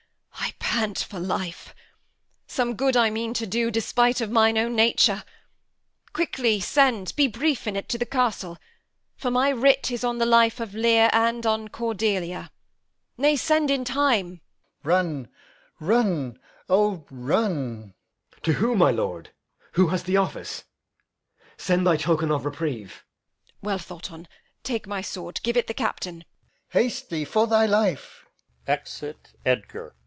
Edm. I pant for life. Some good I mean to do, Despite of mine own nature. Quickly send (Be brief in't) to the castle; for my writ Is on the life of Lear and on Cordelia. Nay, send in time. Alb. Run, run, O, run! Edg. To who, my lord? Who has the office? Send Thy token of reprieve. Edm. Well thought on. Take my sword; Give it the Captain. Alb. Haste thee for thy life. [Exit Edgar.